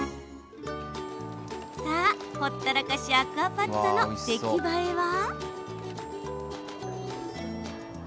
さあ、ほったらかしアクアパッツァの出来栄えは？